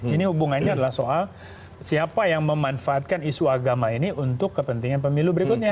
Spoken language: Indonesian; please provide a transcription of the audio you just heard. ini hubungannya adalah soal siapa yang memanfaatkan isu agama ini untuk kepentingan pemilu berikutnya